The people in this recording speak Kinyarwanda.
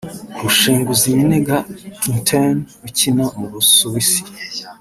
Rushenguziminega Quintin ukina mu Busuwisi